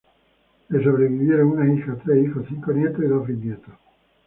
Le sobrevivieron una hija, tres hijos, cinco nietos; y dos bisnietos.